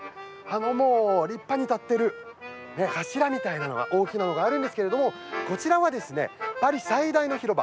もう立派に立っている柱みたいな大きなのがあるんですけどあちらはパリ最大の広場